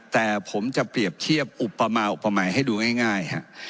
แต่ผมจะเปรียบเทียบอุปมาอุปมัยให้ดูง่ายฮะ